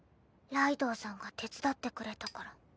ライドウさんが手伝ってくれたから。